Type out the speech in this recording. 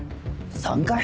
３回？